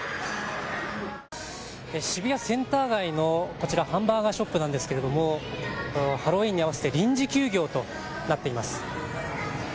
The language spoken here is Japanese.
渋谷センター街のハンバーガーショップなんですけれどもハロウィーンに合わせて臨時休業となっています。